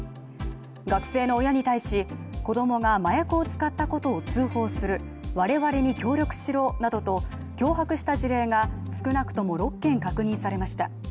学生の親に対し子供が麻薬を使ったことを通報する、我々に協力しろなどと脅迫した事例が少なくとも６件確認されました。